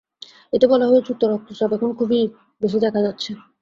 এতে বলা হয়েছে, উচ্চ রক্তচাপ এখন খুবই বেশি দেখা যাচ্ছে।